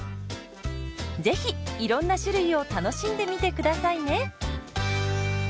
是非いろんな種類を楽しんでみて下さいね。